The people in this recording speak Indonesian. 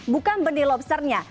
bukan benih lobsternya